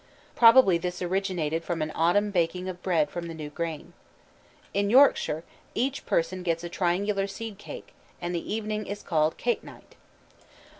Probably this originated from an autumn baking of bread from the new grain. In Yorkshire each person gets a triangular seed cake, and the evening is called "cake night."